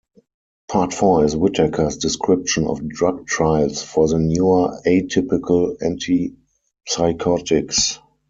Part Four is Whitaker's description of drug trials for the newer atypical antipsychotics.